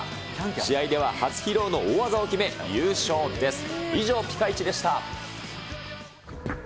試合では初披露の大技を決め、優勝です。